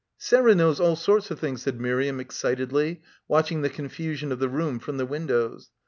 "Sarah knows all sorts of things," said Miriam excitedly, watching the confusion of the room from the windows.